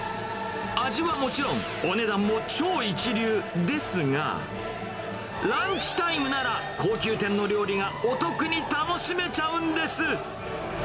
味はもちろん、お値段も超一流ですが、ランチタイムなら、高級店の料理がお得に楽しめちゃうんです。